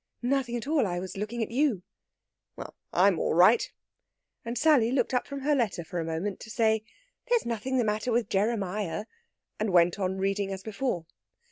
"Nothing at all. I was looking at you." "Well, I'm all right!" And Sally looked up from her letter for a moment to say, "There's nothing the matter with Jeremiah," and went on reading as before.